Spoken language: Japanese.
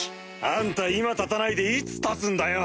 あんた今立たないでいつ立つんだよ。